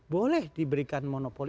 boleh diberikan monopoli